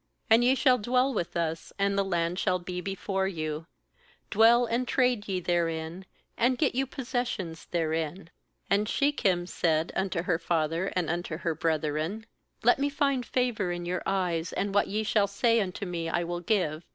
10And ye shall dwell with us; and the land shall be before you; dwell and trade ye therein, and get you possessions therein.' uAnd She chem said unto her father and unto her brethren: ' Let me find favour in your eyes, and what ye shall say unto me I will give.